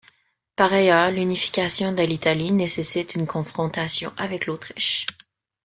Par ailleurs, l'unification de l'Italie nécessite une confrontation avec l'Autriche.